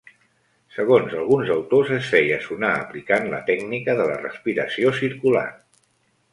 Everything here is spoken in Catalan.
Segons alguns autors es feia sonar aplicant la tècnica de la respiració circular.